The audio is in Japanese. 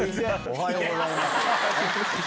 おはようございます。